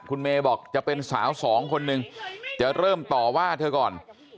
คุณเมย์บอกจะเป็นสาวสองคนนึงจะเริ่มต่อว่าเธอก่อน